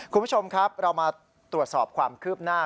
คุณผู้ชมครับเรามาตรวจสอบความคืบหน้า